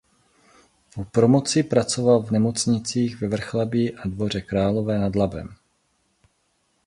Po promoci pracoval v nemocnicích ve Vrchlabí a Dvoře Králové nad Labem.